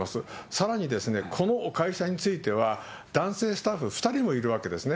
さらにですね、この会社については、男性スタッフ２人もいるわけですね。